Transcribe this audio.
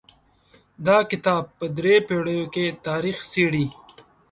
دا کتاب په درې پېړیو کې تاریخ څیړي.